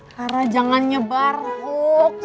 tara jangan nyebar hoax